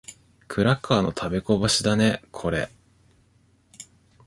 クラッカーの食べこぼしだね、これ。